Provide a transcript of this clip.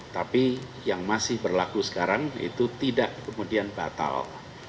tapi yang masih berlaku sekarang itu tidak kemudian batal